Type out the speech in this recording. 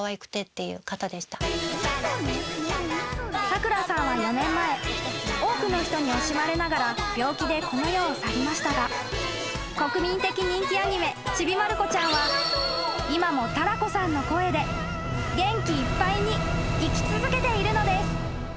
［さくらさんは４年前多くの人に惜しまれながら病気でこの世を去りましたが国民的人気アニメ『ちびまる子ちゃん』は今もＴＡＲＡＫＯさんの声で元気いっぱいに生き続けているのです］